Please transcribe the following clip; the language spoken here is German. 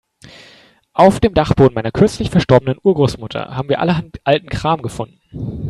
Auf dem Dachboden meiner kürzlich verstorbenen Urgroßmutter haben wir allerhand alten Kram gefunden.